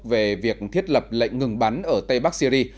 về việc thiết lập lệnh ngừng bắn ở tây bắc syri